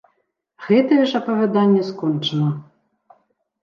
Гэтае ж апавяданне скончана.